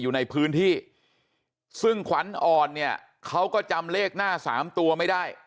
อยู่ในพื้นที่ซึ่งขวัญอ่อนเนี่ยเขาก็จำเลขหน้าสามตัวไม่ได้